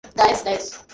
Guys, guys.